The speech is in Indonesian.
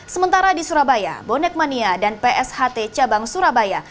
sementara di surabaya bonek mania dan psht cabang surabaya